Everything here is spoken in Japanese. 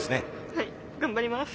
はい頑張ります。